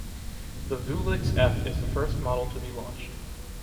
The Vewlix-F is the first model to be launched.